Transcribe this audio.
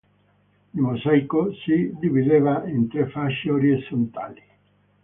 Il mosaico si divideva in tre fasce orizzontali.